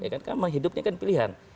kan kehidupannya pilihan